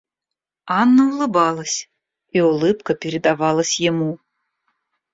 Анна улыбалась, и улыбка передавалась ему.